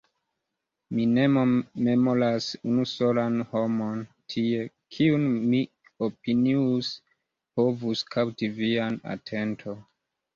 Mi ne memoras unu solan homon tie, kiun mi opinius povus kapti vian atenton.